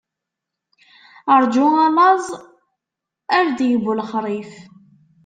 Ṛǧu a laẓ, ar ad yeww lexṛif!